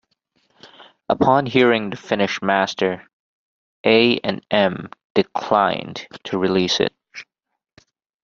Upon hearing the finished master, A and M declined to release it.